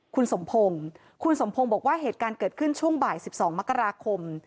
คุณสมพงศ์คุณสมพงศ์บอกว่าเหตุการณ์เกิดขึ้นช่วงบ่าย๑๒มกราคม